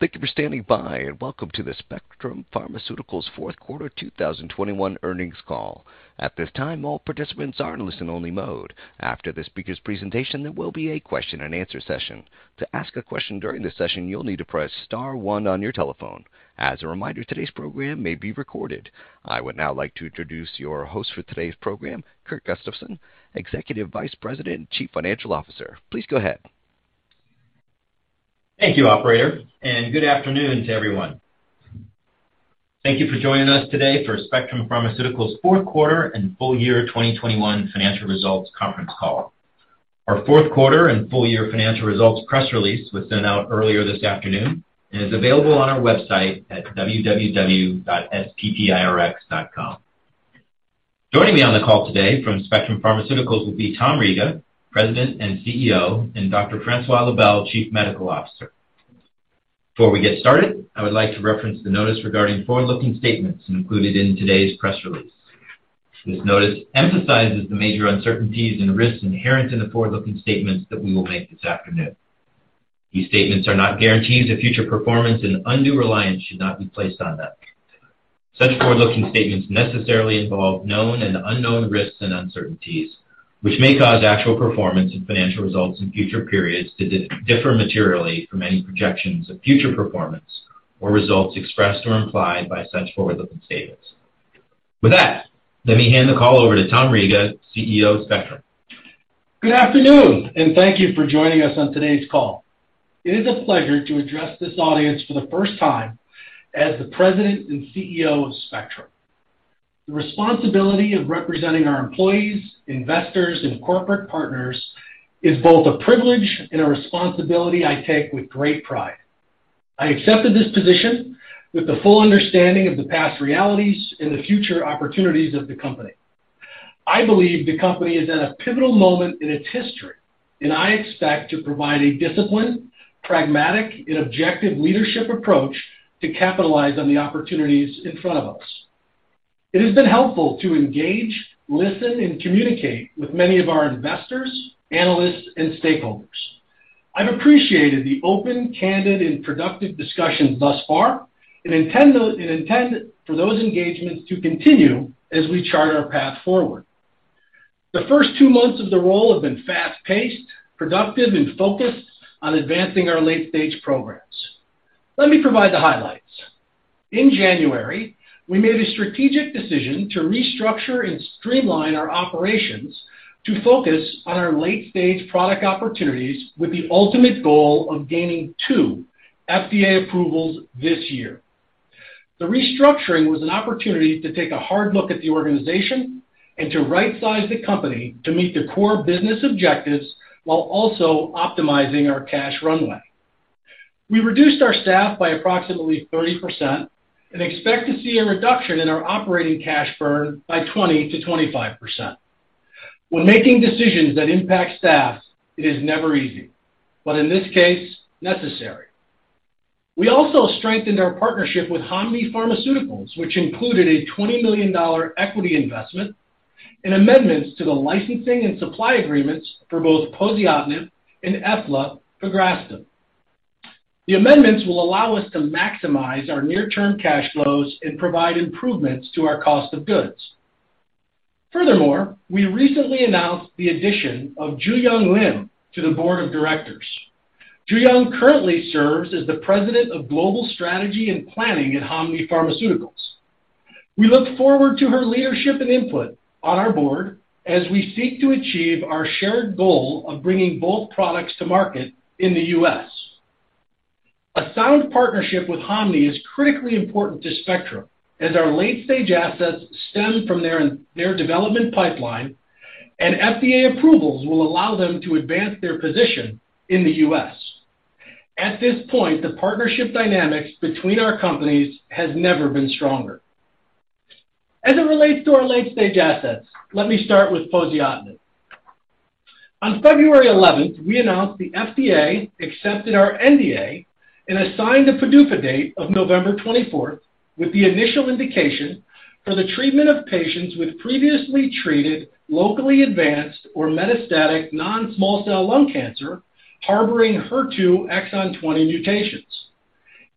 Thank you for standing by, and welcome to the Spectrum Pharmaceuticals Q4 2021 Earnings Call. At this time, all participants are in listen only mode. After the speaker's presentation, there will be a question and answer session. To ask a question during the session, you'll need to press star one on your telephone. As a reminder, today's program may be recorded. I would now like to introduce your host for today's program, Kurt Gustafson, Executive Vice President, Chief Financial Officer. Please go ahead. Thank you operator, and good afternoon to everyone. Thank you for joining us today for Spectrum Pharmaceuticals Q4 and Full Year 2021 Financial Results Conference Call. Our Q4 and full year financial results press release was sent out earlier this afternoon and is available on our website at www.sppirx.com. Joining me on the call today from Spectrum Pharmaceuticals will be Tom Riga, President and CEO, and Dr. Francois Lebel, Chief Medical Officer. Before we get started, I would like to reference the notice regarding forward-looking statements included in today's press release. This notice emphasizes the major uncertainties and risks inherent in the forward-looking statements that we will make this afternoon. These statements are not guarantees of future performance, and undue reliance should not be placed on them. Such forward-looking statements necessarily involve known and unknown risks and uncertainties, which may cause actual performance and financial results in future periods to differ materially from any projections of future performance or results expressed or implied by such forward-looking statements. With that, let me hand the call over to Tom Riga, CEO of Spectrum. Good afternoon, and thank you for joining us on today's call. It is a pleasure to address this audience for the first time as the President and CEO of Spectrum. The responsibility of representing our employees, investors, and corporate partners is both a privilege and a responsibility I take with great pride. I accepted this position with the full understanding of the past realities and the future opportunities of the company. I believe the company is at a pivotal moment in its history, and I expect to provide a disciplined, pragmatic and objective leadership approach to capitalize on the opportunities in front of us. It has been helpful to engage, listen, and communicate with many of our investors, analysts, and stakeholders. I've appreciated the open, candid, and productive discussions thus far, and intend for those engagements to continue as we chart our path forward. The first two months of the role have been fast-paced, productive, and focused on advancing our late-stage programs. Let me provide the highlights. In January, we made a strategic decision to restructure and streamline our operations to focus on our late-stage product opportunities with the ultimate goal of gaining two FDA approvals this year. The restructuring was an opportunity to take a hard look at the organization and to right-size the company to meet the core business objectives while also optimizing our cash runway. We reduced our staff by approximately 30% and expect to see a reduction in our operating cash burn by 20%-25%. When making decisions that impact staff, it is never easy, but in this case, necessary. We also strengthened our partnership with Hanmi Pharmaceutical, which included a $20 million equity investment and amendments to the licensing and supply agreements for both poziotinib and eflapegrastim. The amendments will allow us to maximize our near-term cash flows and provide improvements to our cost of goods. Furthermore, we recently announced the addition of Ju‑Hyun Lim to the Board of Directors. Juhyun currently serves as the President of Global Strategy and Planning at Hanmi Pharmaceutical. We look forward to her leadership and input on our board as we seek to achieve our shared goal of bringing both products to market in the U.S. A sound partnership with Hanmi is critically important to Spectrum as our late-stage assets stem from their development pipeline, and FDA approvals will allow them to advance their position in the U.S. At this point, the partnership dynamics between our companies has never been stronger. As it relates to our late-stage assets, let me start with poziotinib. On February 11, we announced the FDA accepted our NDA and assigned a PDUFA date of November 24 with the initial indication for the treatment of patients with previously treated, locally advanced or metastatic non-small cell lung cancer harboring HER2 exon 20 mutations.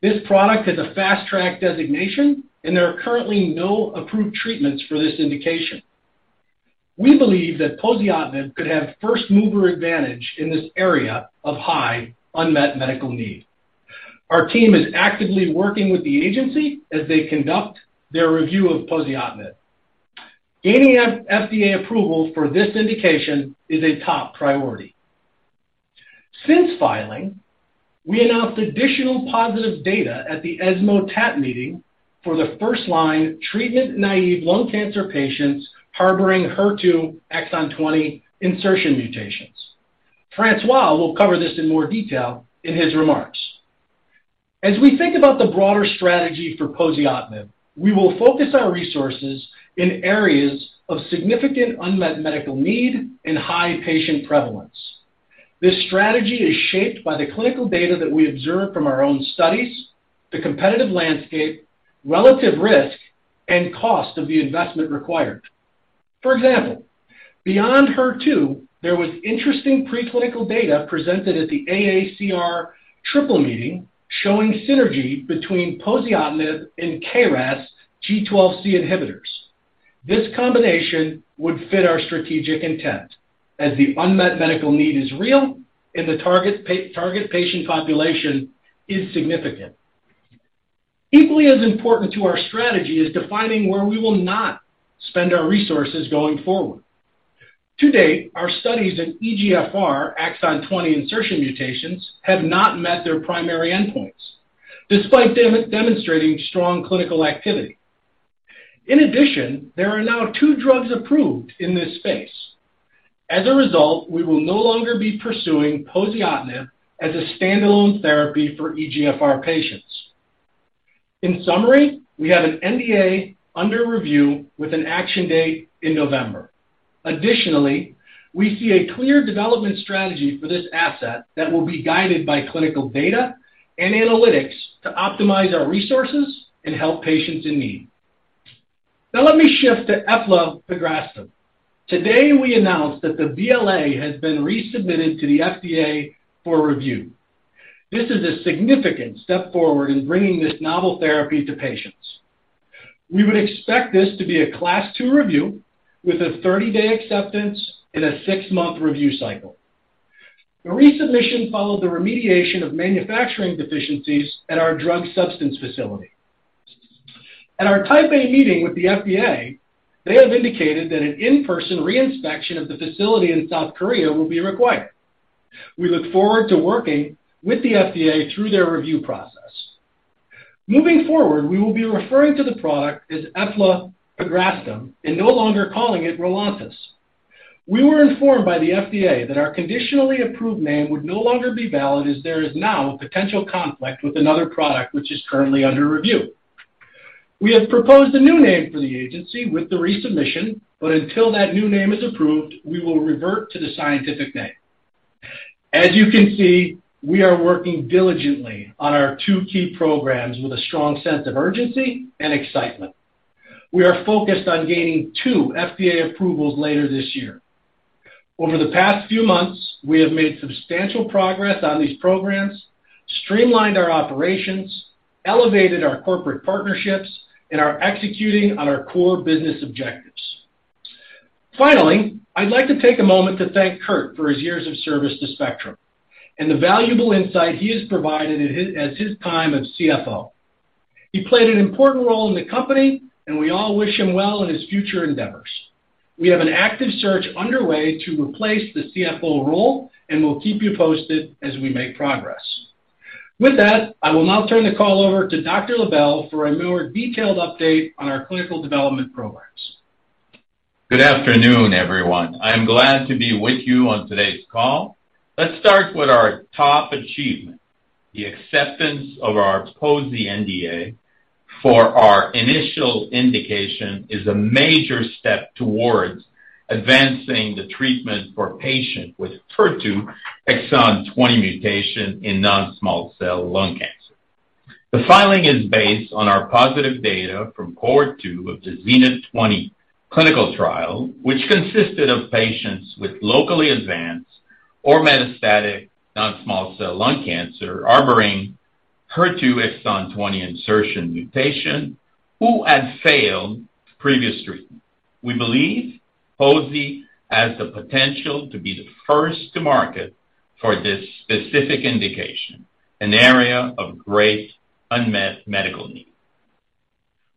This product has a Fast Track designation and there are currently no approved treatments for this indication. We believe that poziotinib could have first mover advantage in this area of high unmet medical need. Our team is actively working with the agency as they conduct their review of poziotinib. Gaining FDA approval for this indication is a top priority. Since filing, we announced additional positive data at the ESMO TAT meeting for the first-line treatment-naïve lung cancer patients harboring HER2 exon 20 insertion mutations. Francois will cover this in more detail in his remarks. As we think about the broader strategy for poziotinib, we will focus our resources in areas of significant unmet medical need and high patient prevalence. This strategy is shaped by the clinical data that we observe from our own studies, the competitive landscape, relative risk, and cost of the investment required. For example, beyond HER2, there was interesting preclinical data presented at the AACR Triple Meeting showing synergy between poziotinib and KRAS G12C inhibitors. This combination would fit our strategic intent, as the unmet medical need is real and the target patient population is significant. Equally as important to our strategy is defining where we will not spend our resources going forward. To date, our studies in EGFR exon 20 insertion mutations have not met their primary endpoints, despite demonstrating strong clinical activity. In addition, there are now two drugs approved in this space. As a result, we will no longer be pursuing poziotinib as a standalone therapy for EGFR patients. In summary, we have an NDA under review with an action date in November. Additionally, we see a clear development strategy for this asset that will be guided by clinical data and analytics to optimize our resources and help patients in need. Now let me shift to eflapegrastim. Today, we announced that the BLA has been resubmitted to the FDA for review. This is a significant step forward in bringing this novel therapy to patients. We would expect this to be a Class 2 review with a 30-day acceptance and a six-month review cycle. The resubmission followed the remediation of manufacturing deficiencies at our drug substance facility. At our Type A meeting with the FDA, they have indicated that an in-person re-inspection of the facility in South Korea will be required. We look forward to working with the FDA through their review process. Moving forward, we will be referring to the product as eflapegrastim and no longer calling it ROLONTIS. We were informed by the FDA that our conditionally approved name would no longer be valid as there is now a potential conflict with another product which is currently under review. We have proposed a new name for the agency with the resubmission, but until that new name is approved, we will revert to the scientific name. As you can see, we are working diligently on our two key programs with a strong sense of urgency and excitement. We are focused on gaining two FDA approvals later this year. Over the past few months, we have made substantial progress on these programs, streamlined our operations, elevated our corporate partnerships, and are executing on our core business objectives. Finally, I'd like to take a moment to thank Kurt for his years of service to Spectrum and the valuable insight he has provided at his time as CFO. He played an important role in the company, and we all wish him well in his future endeavors. We have an active search underway to replace the CFO role, and we'll keep you posted as we make progress. With that, I will now turn the call over to Dr. Lebel for a more detailed update on our clinical development programs. Good afternoon, everyone. I am glad to be with you on today's call. Let's start with our top achievement. The acceptance of our poziotinib NDA for our initial indication is a major step towards advancing the treatment for patients with HER2 exon 20 mutation in non-small cell lung cancer. The filing is based on our positive data from cohort two of the ZENITH20 clinical trial, which consisted of patients with locally advanced or metastatic non-small cell lung cancer harboring HER2 exon 20 insertion mutation who had failed previous treatment. We believe poziotinib has the potential to be the first to market for this specific indication, an area of great unmet medical need.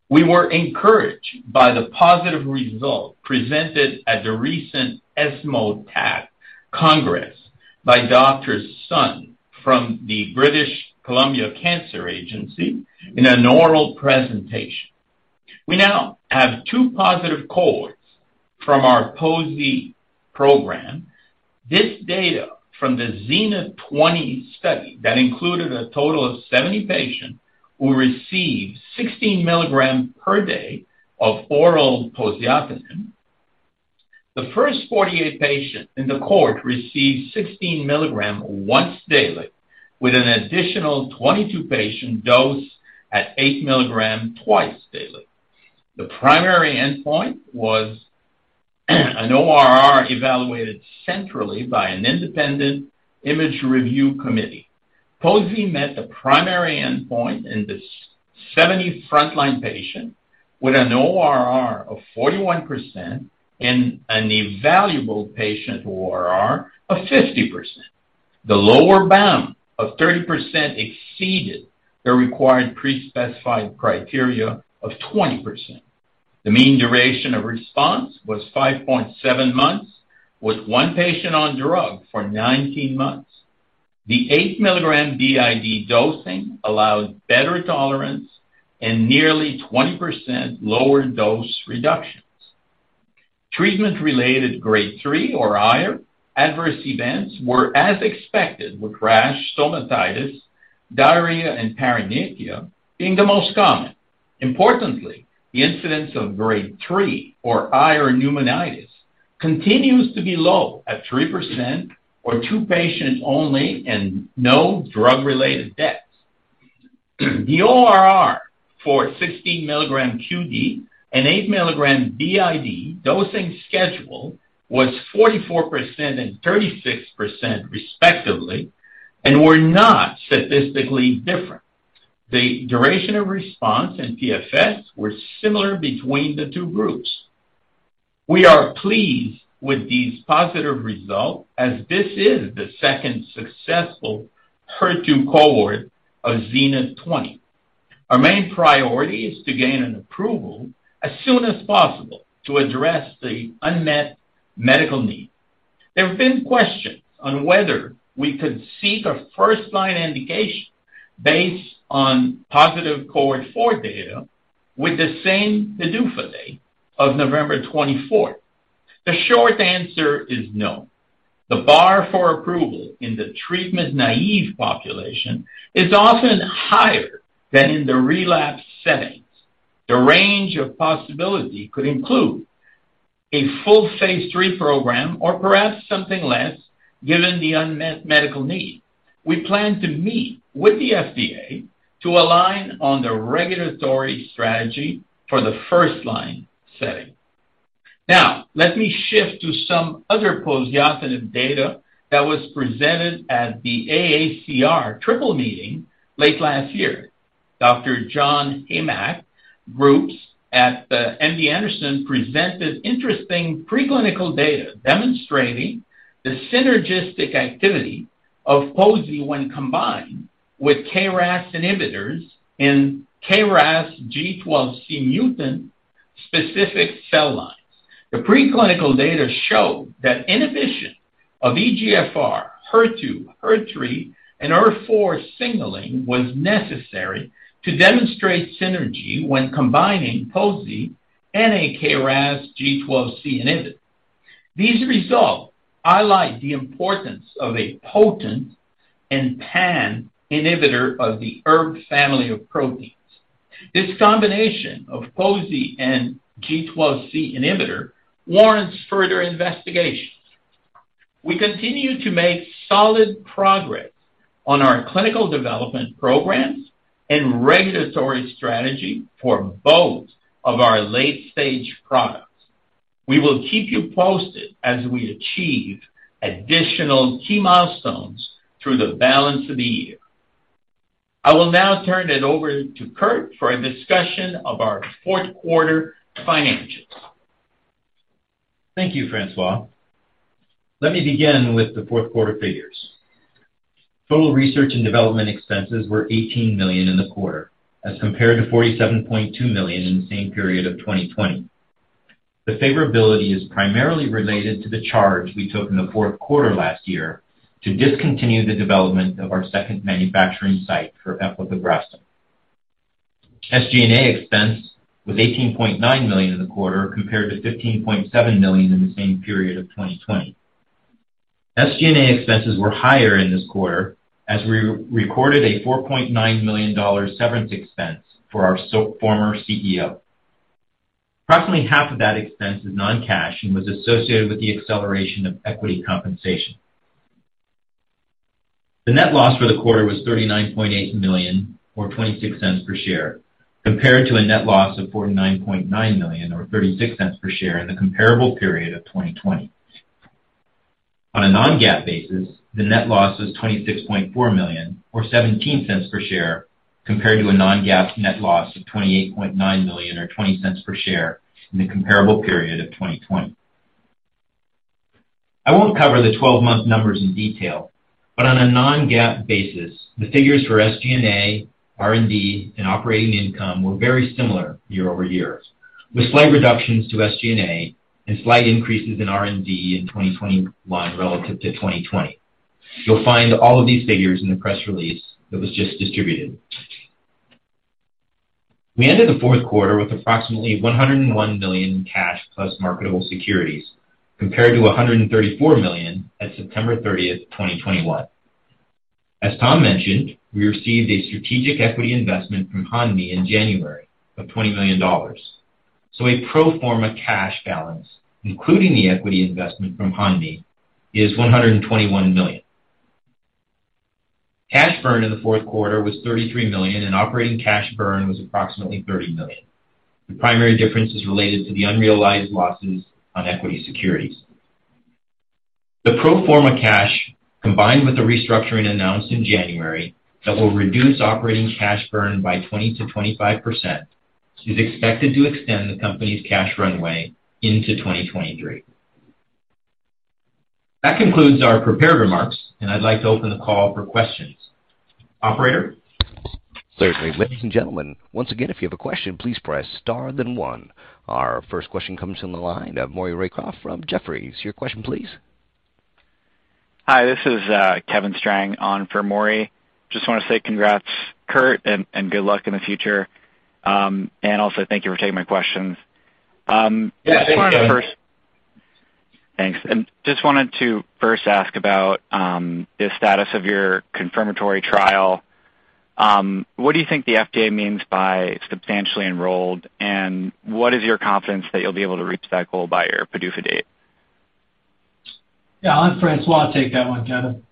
We were encouraged by the positive result presented at the recent ESMO TAT Congress by Dr. Sun from the BC Cancer Agency in an oral presentation. We now have two positive cohorts from our poziotinib program. This data from the ZENITH20 study that included a total of 70 patients who received 16 mg per day of oral poziotinib. The first 48 patients in the cohort received 16 mg once daily, with an additional 22 patients dosed at 8 mg twice daily. The primary endpoint was an ORR evaluated centrally by an independent image review committee. POSI met the primary endpoint in the seventy frontline patients with an ORR of 41% and an evaluable patient ORR of 50%. The lower bound of 30% exceeded the required pre-specified criteria of 20%. The mean duration of response was 5.7 months, with one patient on drug for 19 months. The 8 mg BID dosing allowed better tolerance and nearly 20% lower dose reductions. Treatment-related Grade 3 or higher adverse events were as expected, with rash, stomatitis, diarrhea, and paronychia being the most common. Importantly, the incidence of Grade 3 or higher pneumonitis continues to be low at 3% or two patients only and no drug-related deaths. The ORR for 16 mg QD and 8 mg BID dosing schedule was 44% and 36% respectively and were not statistically different. The duration of response and PFS were similar between the two groups. We are pleased with these positive results as this is the second successful HER2 cohort of ZENITH20. Our main priority is to gain an approval as soon as possible to address the unmet medical need. There have been questions on whether we could seek a first-line indication based on positive cohort 4 data with the same PDUFA date of November 24. The short answer is no. The bar for approval in the treatment-naive population is often higher than in the relapsed settings. The range of possibility could include a full phase III program or perhaps something less given the unmet medical need. We plan to meet with the FDA to align on the regulatory strategy for the first line setting. Now, let me shift to some other poziotinib data that was presented at the AACR Triple Meeting late last year. Dr. John Heymach's group at the MD Anderson Cancer Center presented interesting preclinical data demonstrating the synergistic activity of posi when combined with KRAS inhibitors in KRAS G12C mutant-specific cell lines. The preclinical data show that inhibition of EGFR, HER2, HER3, and ERBB4 signaling was necessary to demonstrate synergy when combining posi and a KRAS G12C inhibitor. These results highlight the importance of a potent and pan inhibitor of the ERBB family of proteins. This combination of posi and G12C inhibitor warrants further investigations. We continue to make solid progress on our clinical development programs and regulatory strategy for both of our late-stage products. We will keep you posted as we achieve additional key milestones through the balance of the year. I will now turn it over to Kurt for a discussion of our Q4 financials. Thank you, Francois. Let me begin with the Q4 figures. Total research and development expenses were $18 million in the quarter as compared to $47.2 million in the same period of 2020. The favorability is primarily related to the charge we took in the Q4 last year to discontinue the development of our second manufacturing site for epaligabastat. SG&A expense was $18.9 million in the quarter compared to $15.7 million in the same period of 2020. SG&A expenses were higher in this quarter as we re-recorded a $4.9 million severance expense for our former CEO. Approximately half of that expense is non-cash and was associated with the acceleration of equity compensation. The net loss for the quarter was $39.8 million or $0.26 per share, compared to a net loss of $49.9 million or $0.36 per share in the comparable period of 2020. On a non-GAAP basis, the net loss was $26.4 million or $0.17 per share, compared to a non-GAAP net loss of $28.9 million or $0.20 per share in the comparable period of 2020. I won't cover the 12-month numbers in detail, but on a non-GAAP basis, the figures for SG&A, R&D, and operating income were very similar year over year, with slight reductions to SG&A and slight increases in R&D in 2021 relative to 2020. You'll find all of these figures in the press release that was just distributed. We ended the Q4 with approximately $101 million cash plus marketable securities compared to $134 million at September 30th, 2021. As Tom mentioned, we received a strategic equity investment from Hanmi in January of $20 million. A pro forma cash balance, including the equity investment from Hanmi, is $121 million. Cash burn in the Q4 was $33 million, and operating cash burn was approximately $30 million. The primary difference is related to the unrealized losses on equity securities. The pro forma cash, combined with the restructuring announced in January that will reduce operating cash burn by 20%-25%, is expected to extend the company's cash runway into 2023. That concludes our prepared remarks, and I'd like to open the call for questions. Operator? Certainly. Ladies and gentlemen, once again, if you have a question, please press star then one. Our first question comes from the line of Maury Raycroft from Jefferies. Your question, please. Hi, this is Kevin Strang on for Maury. Just wanna say congrats, Kurt, and good luck in the future. Also thank you for taking my questions. Yeah, thank you, Kevin. Thanks. I just wanted to first ask about the status of your confirmatory trial. What do you think the FDA means by substantially enrolled, and what is your confidence that you'll be able to reach that goal by your PDUFA date? Yeah, I'll let Francois take that one, Kevin.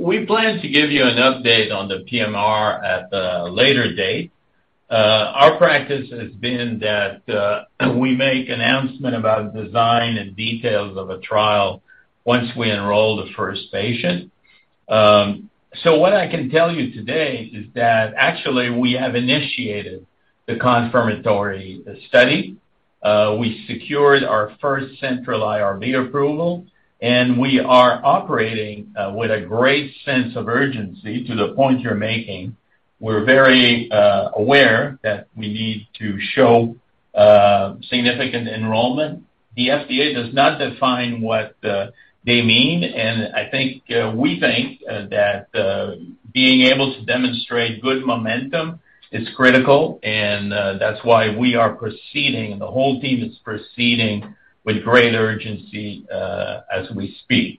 We plan to give you an update on the PMR at a later date. Our practice has been that we make announcement about design and details of a trial once we enroll the first patient. What I can tell you today is that actually we have initiated the confirmatory study. We secured our first central IRB approval, and we are operating with a great sense of urgency to the point you're making. We're very aware that we need to show significant enrollment. The FDA does not define what they mean, and I think that being able to demonstrate good momentum is critical, and that's why we are proceeding. The whole team is proceeding with great urgency as we speak.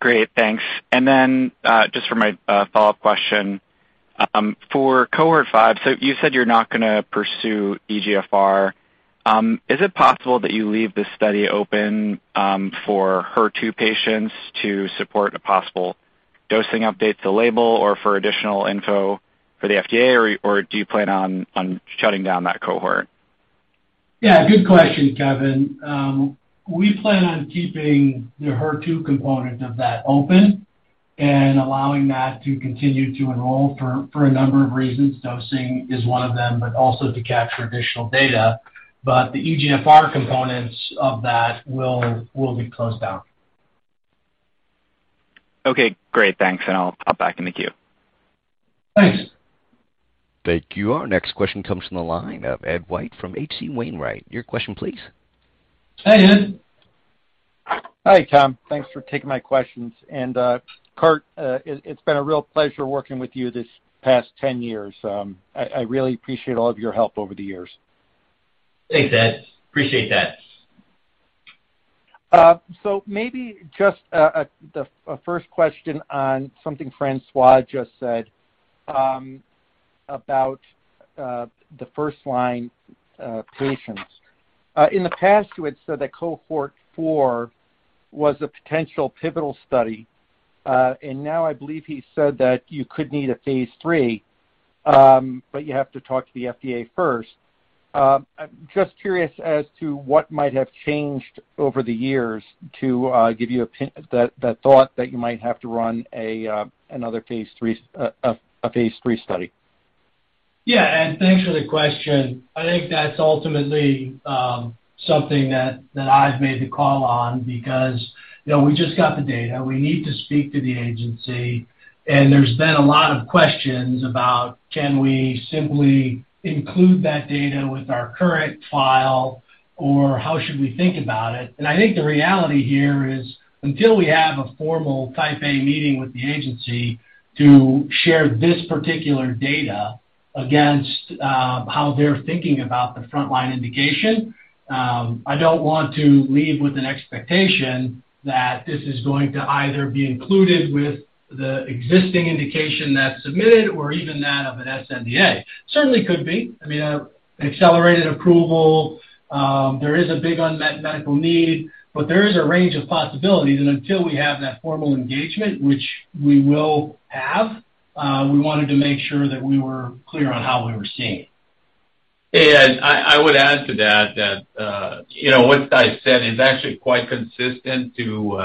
Great. Thanks. Just for my follow-up question. For cohort five, so you said you're not gonna pursue EGFR. Is it possible that you leave the study open for HER2 patients to support a possible dosing update to label or for additional info for the FDA, or do you plan on shutting down that cohort? Yeah, good question, Kevin. We plan on keeping the HER2 component of that open and allowing that to continue to enroll for a number of reasons. Dosing is one of them, but also to capture additional data. The EGFR components of that will be closed down. Okay, great. Thanks, and I'll pop back in the queue. Thanks. Thank you. Our next question comes from the line of Ed White from H.C. Wainwright. Your question, please. Hey, Ed. Hi, Tom. Thanks for taking my questions. Kurt, it's been a real pleasure working with you this past 10 years. I really appreciate all of your help over the years. Thanks, Ed. Appreciate that. Maybe just a first question on something Francois just said about the first-line patients. In the past, you had said that cohort four was a potential pivotal study, and now I believe he said that you could need a phase III, but you have to talk to the FDA first. Just curious as to what might have changed over the years to give you the thought that you might have to run another phase III study. Yeah. Thanks for the question. I think that's ultimately something that I've made the call on because, you know, we just got the data. We need to speak to the agency, and there's been a lot of questions about can we simply include that data with our current file, or how should we think about it? I think the reality here is until we have a formal Type A meeting with the agency to share this particular data against how they're thinking about the frontline indication, I don't want to leave with an expectation that this is going to either be included with the existing indication that's submitted or even that of an sNDA. Certainly could be. I mean, accelerated approval, there is a big unmet medical need, but there is a range of possibilities. Until we have that formal engagement, which we will have, we wanted to make sure that we were clear on how we were seeing it. Hey, Ed. I would add to that that you know what Guy said is actually quite consistent to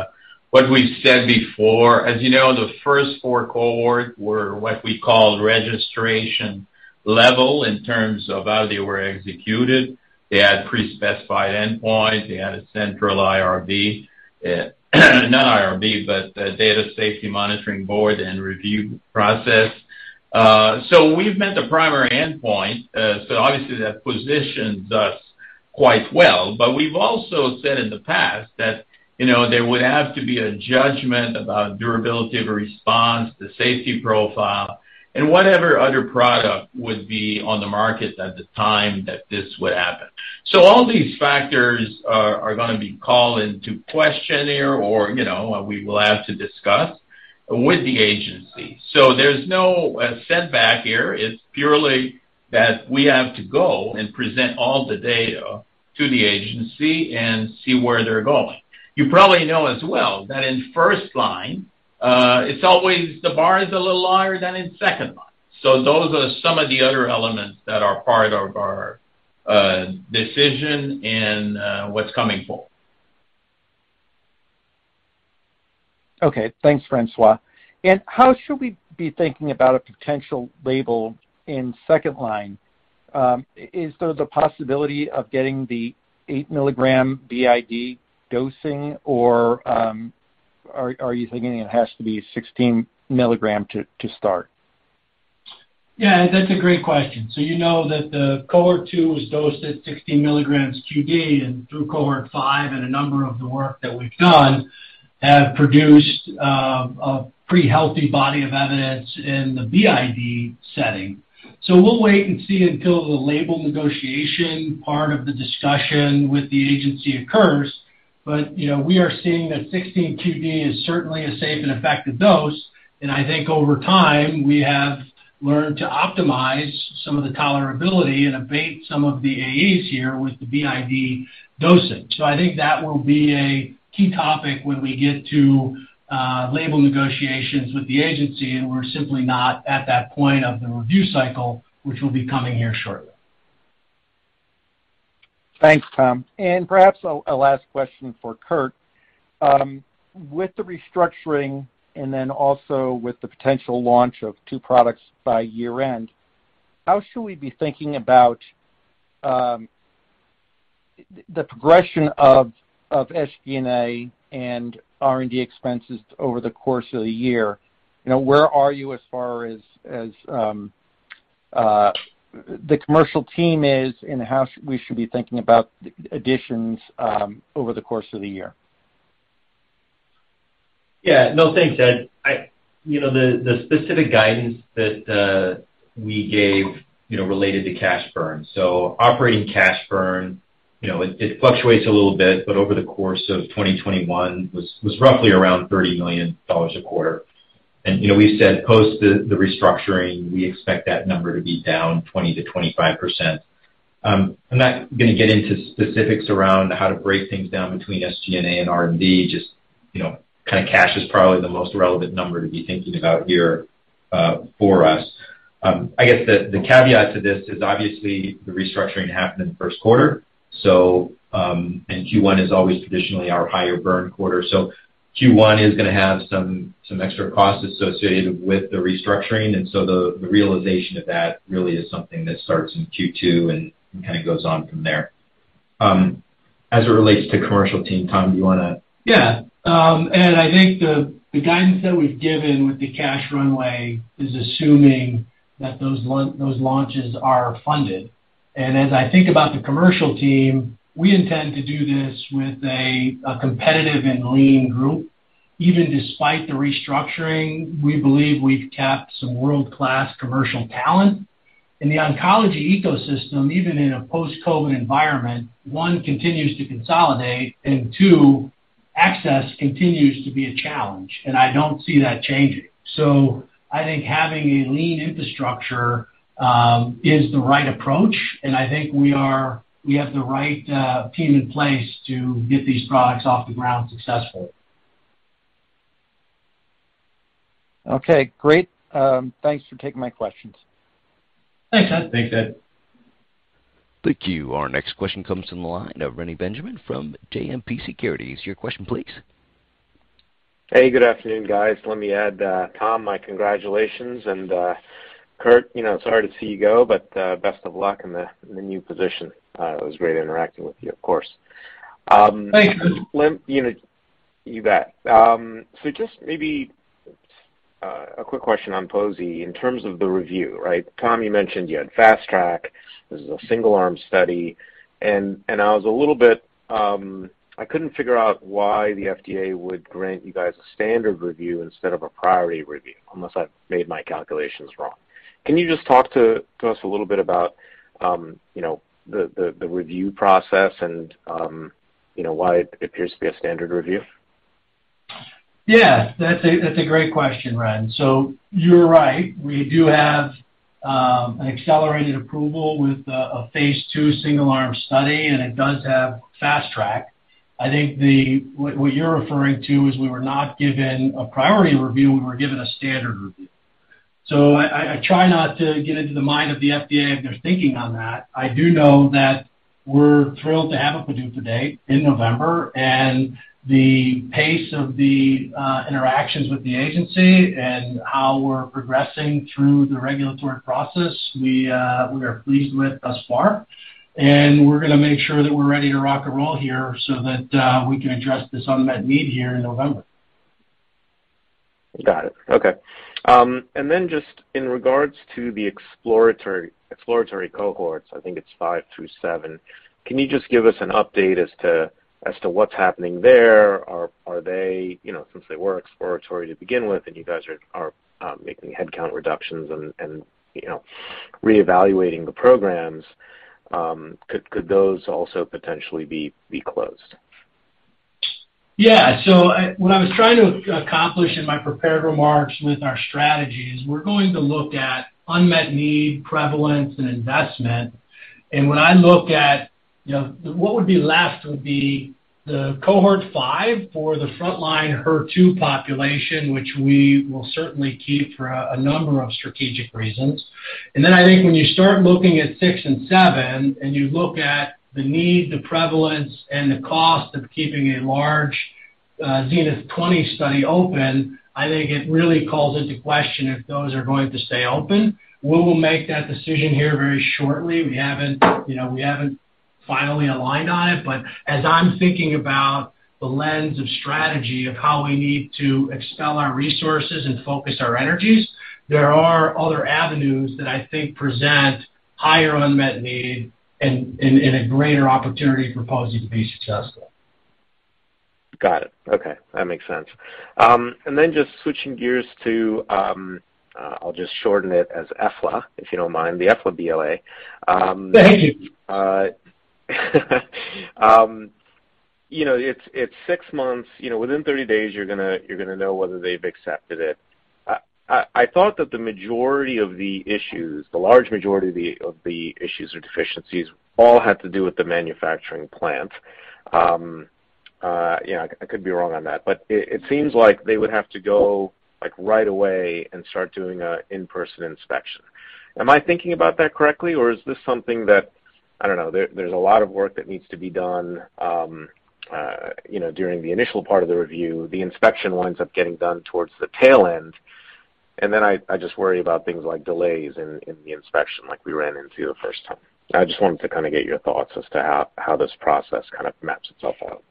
what we've said before. As you know, the first four cohorts were what we call registration level in terms of how they were executed. They had pre-specified endpoints. They had a central IRB. Not IRB, but a data safety monitoring board and review process. So we've met the primary endpoint, so obviously that positions us quite well. But we've also said in the past that you know there would have to be a judgment about durability of a response, the safety profile, and whatever other product would be on the market at the time that this would happen. So all these factors are gonna be called into question here or you know we will have to discuss with the agency. There's no setback here. It's purely that we have to go and present all the data to the agency and see where they're going. You probably know as well that in first line, it's always the bar is a little higher than in second line. Those are some of the other elements that are part of our decision and what's coming forward. Okay, thanks, Francois. How should we be thinking about a potential label in second line? Is there the possibility of getting the 8 mg BID dosing, or are you thinking it has to be 16 mg to start? Yeah, that's a great question. You know that the cohort 2 was dosed at 16 mg QD, and through cohort 5 and a number of the work that we've done have produced a pretty healthy body of evidence in the BID setting. We'll wait and see until the label negotiation part of the discussion with the agency occurs. You know, we are seeing that 16 BID is certainly a safe and effective dose, and I think over time, we have learned to optimize some of the tolerability and abate some of the AEs here with the BID dosage. I think that will be a key topic when we get to label negotiations with the agency, and we're simply not at that point of the review cycle, which will be coming here shortly. Thanks, Tom. Perhaps a last question for Kurt. With the restructuring and then also with the potential launch of two products by year-end, how should we be thinking about the progression of SG&A and R&D expenses over the course of the year? You know, where are you as far as the commercial team is, and how we should be thinking about additions over the course of the year? Yeah. No, thanks, Ed. You know, the specific guidance that we gave, you know, related to cash burn. Operating cash burn, you know, it fluctuates a little bit, but over the course of 2021 was roughly around $30 million a quarter. You know, we said post the restructuring, we expect that number to be down 20%-25%. I'm not gonna get into specifics around how to break things down between SG&A and R&D, just, you know, kinda cash is probably the most relevant number to be thinking about here, for us. I guess the caveat to this is obviously the restructuring happened in the Q1, so, and Q1 is always traditionally our higher burn quarter. Q1 is gonna have some extra costs associated with the restructuring, and so the realization of that really is something that starts in Q2 and kind of goes on from there. As it relates to commercial team, Tom, do you wanna- Yeah. I think the guidance that we've given with the cash runway is assuming that those launches are funded. As I think about the commercial team, we intend to do this with a competitive and lean group. Even despite the restructuring, we believe we've kept some world-class commercial talent. In the oncology ecosystem, even in a post-COVID environment, one continues to consolidate, and two, access continues to be a challenge, and I don't see that changing. I think having a lean infrastructure is the right approach, and I think we have the right team in place to get these products off the ground successfully. Okay, great. Thanks for taking my questions. Thanks, Ed. Thanks, Ed. Thank you. Our next question comes from the line of Reni Benjamin from JMP Securities. Your question, please. Hey, good afternoon, guys. Let me add, Tom, my congratulations. Kurt, you know, it's hard to see you go, but best of luck in the new position. It was great interacting with you, of course. Thank you. You bet. Just maybe a quick question on poziotinib in terms of the review, right? Tom, you mentioned you had Fast Track. This is a single-arm study. I was a little bit. I couldn't figure out why the FDA would grant you guys a standard review instead of a priority review, unless I've made my calculations wrong. Can you just talk to us a little bit about you know the review process and you know why it appears to be a standard review? Yeah. That's a great question, Ren. You're right. We do have an accelerated approval with a phase II single-arm study, and it does have Fast Track. I think what you're referring to is we were not given a priority review, we were given a standard review. I try not to get into the mind of the FDA and their thinking on that. I do know that we're thrilled to have a PDUFA date in November, and the pace of the interactions with the agency and how we're progressing through the regulatory process, we are pleased with thus far. We're gonna make sure that we're ready to rock and roll here so that we can address this unmet need here in November. Got it. Okay. Just in regards to the exploratory cohorts, I think it's 5-7, can you just give us an update as to what's happening there? Are they, you know, since they were exploratory to begin with and you guys are making headcount reductions and reevaluating the programs, could those also potentially be closed? Yeah. What I was trying to accomplish in my prepared remarks with our strategy is we're going to look at unmet need, prevalence, and investment. When I look at, you know, what would be left would be the cohort 5 for the frontline HER2 population, which we will certainly keep for a number of strategic reasons. Then I think when you start looking at six and seven, and you look at the need, the prevalence, and the cost of keeping a large, ZENITH20 study open, I think it really calls into question if those are going to stay open. We will make that decision here very shortly. We haven't, you know, finally aligned on it. As I'm thinking about the lens of strategy of how we need to expend our resources and focus our energies, there are other avenues that I think present higher unmet need and a greater opportunity for poziotinib to be successful. Got it. Okay, that makes sense. Just switching gears to, I'll just shorten it as eflapegrastim, if you don't mind, the eflapegrastim BLA. Thank you. You know, it's six months. You know, within 30 days you're gonna know whether they've accepted it. I thought that the majority of the issues, the large majority of the issues or deficiencies all had to do with the manufacturing plant. You know, I could be wrong on that, but it seems like they would have to go, like, right away and start doing an in-person inspection. Am I thinking about that correctly, or is this something that, I don't know, there's a lot of work that needs to be done, you know, during the initial part of the review, the inspection winds up getting done towards the tail end, and then I just worry about things like delays in the inspection like we ran into the first time. I just wanted to kind of get your thoughts as to how this process kind of maps itself out.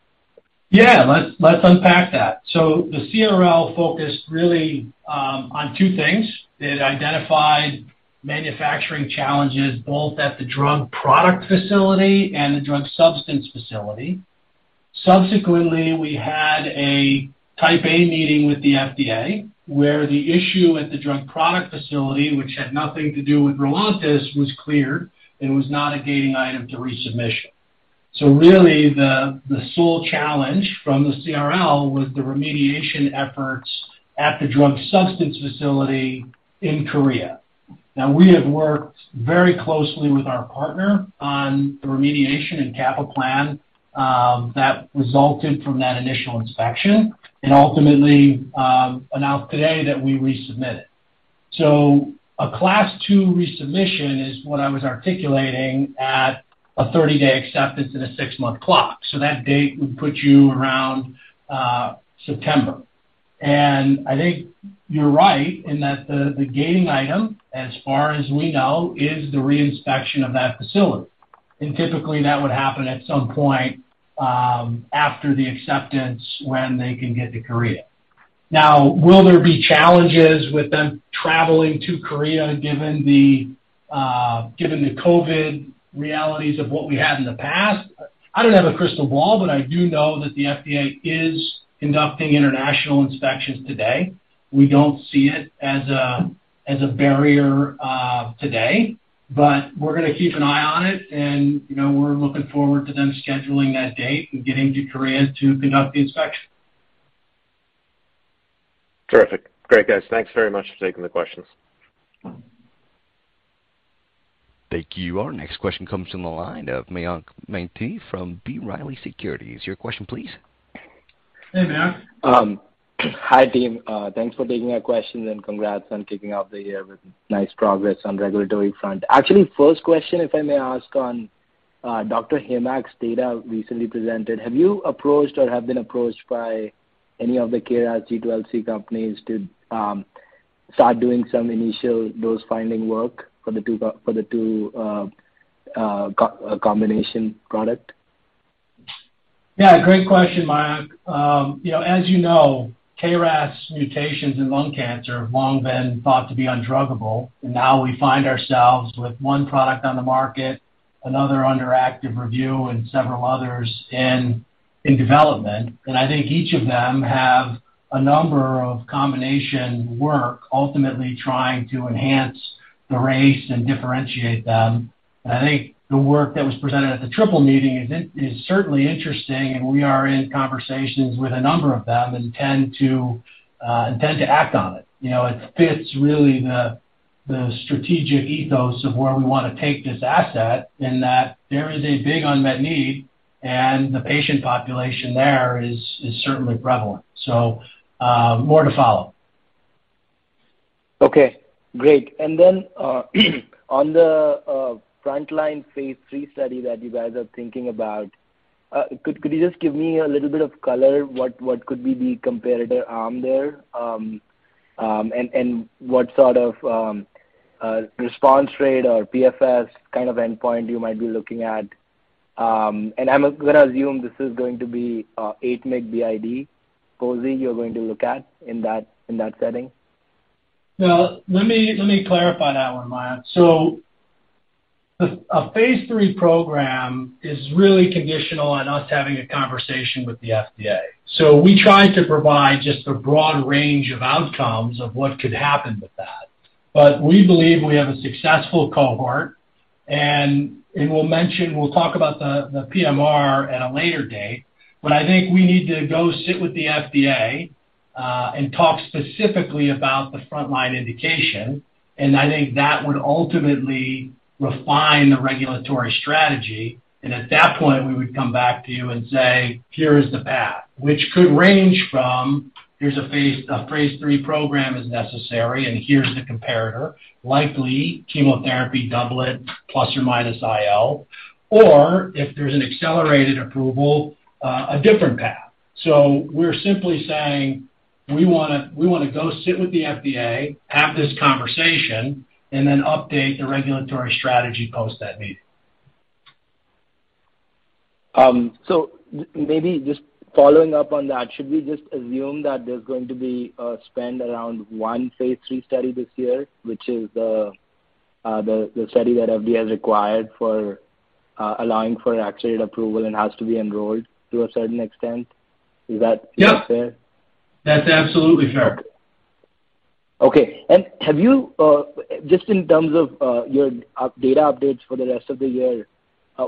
Let's unpack that. The CRL focused really on two things. It identified manufacturing challenges both at the drug product facility and the drug substance facility. Subsequently, we had a Type A meeting with the FDA, where the issue at the drug product facility, which had nothing to do with ROLONTIS, was cleared, and was not a gating item to resubmission. Really the sole challenge from the CRL was the remediation efforts at the drug substance facility in Korea. Now, we have worked very closely with our partner on the remediation and capital plan that resulted from that initial inspection, and ultimately announced today that we resubmitted. A Class 2 resubmission is what I was articulating at a 30-day acceptance and a 6-month clock. That date would put you around September. I think you're right in that the gating item, as far as we know, is the re-inspection of that facility. Typically, that would happen at some point after the acceptance when they can get to Korea. Now, will there be challenges with them traveling to Korea, given the COVID realities of what we had in the past? I don't have a crystal ball, but I do know that the FDA is conducting international inspections today. We don't see it as a barrier today, but we're gonna keep an eye on it, and, you know, we're looking forward to them scheduling that date and getting to Korea to conduct the inspection. Terrific. Great, guys. Thanks very much for taking the questions. Thank you. Our next question comes from the line of Mayank Mamtani from B. Riley Securities. Your question, please. Hey, Mayank. Hi, team. Thanks for taking our questions, and congrats on kicking off the year with nice progress on regulatory front. Actually, first question, if I may ask on Dr. Heymach's data recently presented. Have you approached or have been approached by any of the KRAS G12C companies to start doing some initial dose finding work for the two combination product? Yeah, great question, Mayank. You know, as you know, KRAS mutations in lung cancer have long been thought to be undruggable. Now we find ourselves with one product on the market, another under active review, and several others in development. I think each of them have a number of combination work ultimately trying to enhance the efficacy and differentiate them. I think the work that was presented at the triple meeting is certainly interesting, and we are in conversations with a number of them and intend to act on it. You know, it fits really the strategic ethos of where we wanna take this asset, in that there is a big unmet need, and the patient population there is certainly prevalent. More to follow. Okay, great. Then, on the frontline phase III study that you guys are thinking about, could you just give me a little bit of color what could be the comparator arm there? And what sort of response rate or PFS kind of endpoint you might be looking at? And I'm gonna assume this is going to be 8 mg BID dosing you're going to look at in that setting. No. Let me clarify that one, Mayank. A phase III program is really conditional on us having a conversation with the FDA. We try to provide just a broad range of outcomes of what could happen with that. We believe we have a successful cohort, and we'll talk about the PMR at a later date. I think we need to go sit with the FDA and talk specifically about the frontline indication, and I think that would ultimately refine the regulatory strategy. At that point, we would come back to you and say, "Here is the path," which could range from a phase III program is necessary, and here's the comparator, likely chemotherapy doublet plus or minus IO, or if there's an accelerated approval, a different path. We're simply saying, we wanna go sit with the FDA, have this conversation, and then update the regulatory strategy post that meeting. Maybe just following up on that, should we just assume that there's going to be a spend around one phase III study this year, which is the study that FDA has required for allowing for accelerated approval and has to be enrolled to a certain extent. Is that- Yep. -fair? That's absolutely fair. Okay. Have you just in terms of your data updates for the rest of the year,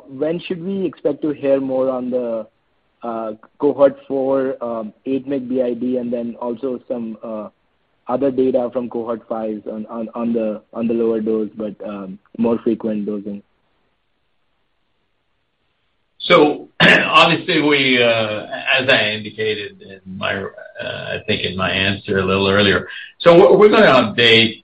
when should we expect to hear more on the cohort 4, 8 mg BID, and then also some other data from cohort 5 on the lower dose, but more frequent dosing? Obviously we, as I indicated in my, I think in my answer a little earlier. We're gonna update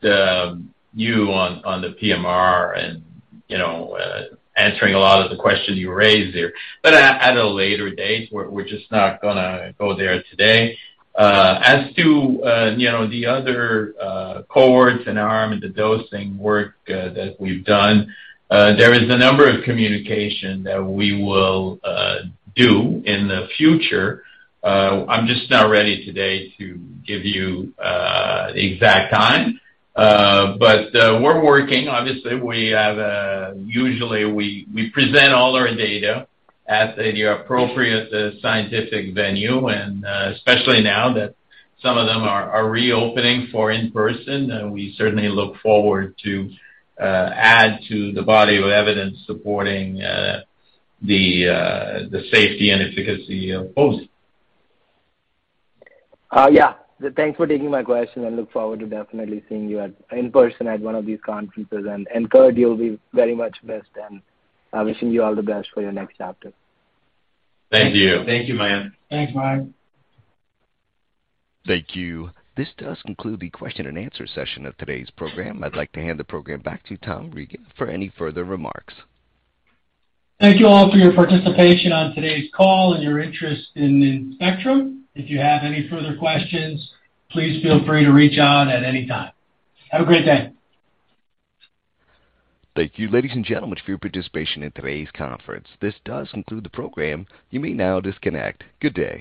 you on the PMR and answering a lot of the questions you raised there, but at a later date. We're just not gonna go there today. As to the other cohorts and arm and the dosing work that we've done, there is a number of communication that we will do in the future. I'm just not ready today to give you the exact time. We're working. Obviously, we usually present all our data at the appropriate scientific venue. Especially now that some of them are reopening for in-person, we certainly look forward to add to the body of evidence supporting the safety and efficacy of poziotinib. Thanks for taking my question, and look forward to definitely seeing you in person at one of these conferences. Kurt, you'll be very much missed, and I'm wishing you all the best for your next chapter. Thank you. Thank you, Mayank. Thanks, bye. Thank you. This does conclude the question and answer session of today's program. I'd like to hand the program back to Tom Riga for any further remarks. Thank you all for your participation on today's call and your interest in Spectrum. If you have any further questions, please feel free to reach out at any time. Have a great day. Thank you, ladies and gentlemen, for your participation in today's conference. This does conclude the program. You may now disconnect. Good day.